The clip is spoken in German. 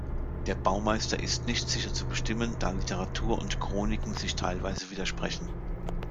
Der Baumeister ist nicht sicher zu bestimmen, da Literatur und Chroniken sich teilweise widersprechen.